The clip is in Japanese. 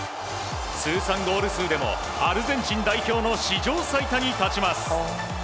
通算ゴール数でもアルゼンチン代表の史上最多に立ちます。